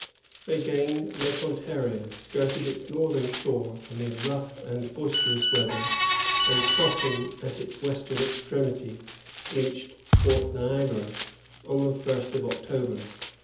They gained Lake Ontario, skirted its northern shore, amid rough and boisterous weather, and crossing at its western extremity, reached Fort Niagara on the first of October.